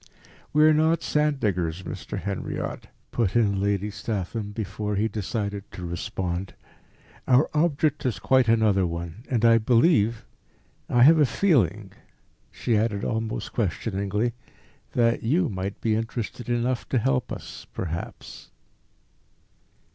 "We are not sand diggers, Mr. Henriot," put in Lady Statham, before he decided to respond. "Our object is quite another one; and I believe I have a feeling," she added almost questioningly, "that you might be interested enough to help us perhaps."